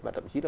và thậm chí là